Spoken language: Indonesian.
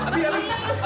abi belum kenapa